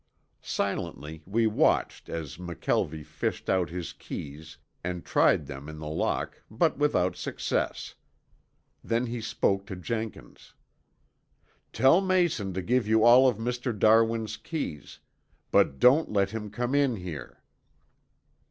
Silently we watched as McKelvie fished out his keys and tried them in the lock but without success. Then he spoke to Jenkins. "Tell Mason to give you all of Mr. Darwin's keys, but don't let him come in here."